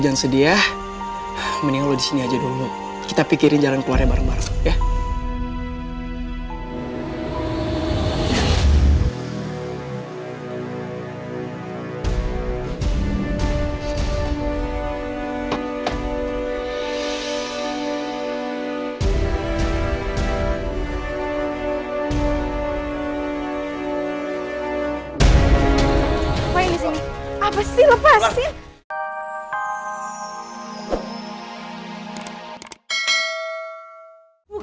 jelati itu buktinya ada di tangan kamu